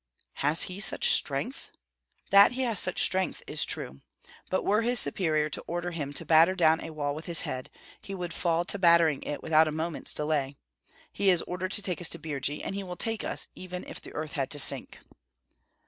"Has he such strength?" "That he has such strength is true; but were his superior to order him to batter down a wall with his head he would fall to battering it without a moment's delay. He is ordered to take us to Birji, and he will take us, even if the earth had to sink."